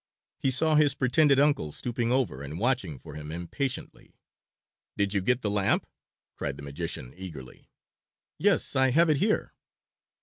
He saw his pretended uncle stooping over and watching for him impatiently. "Did you get the lamp?" cried the magician eagerly. "Yes, I have it here."